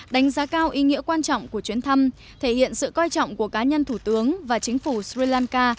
đánh giá cao ý nghĩa quan trọng của chuyến thăm thể hiện sự coi trọng của cá nhân thủ tướng và chính phủ sri lanka